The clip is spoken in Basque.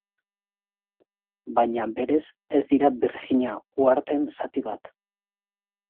Baina, berez, ez dira Birjina uharteen zati bat.